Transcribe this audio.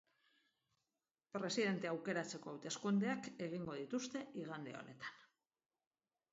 Presidentea aukeratzeko hauteskundeak egingo dituzte igande honetan.